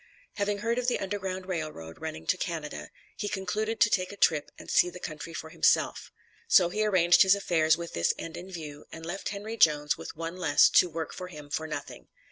Having heard of the Underground Rail Road running to Canada, he concluded to take a trip and see the country, for himself; so he arranged his affairs with this end in view, and left Henry Jones with one less to work for him for nothing.